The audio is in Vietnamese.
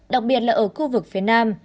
đặc biệt là ở khu vực phía nam